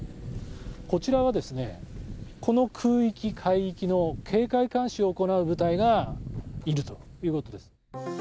こちらは、この空域、海域の警戒監視を行う部隊がいるということです。